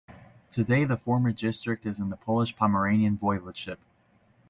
Today the former district is in the Polish Pomeranian Voivodeship.